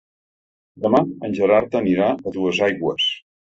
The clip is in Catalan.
Demà en Gerard anirà a Duesaigües.